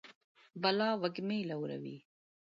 بلا وږمې لوروي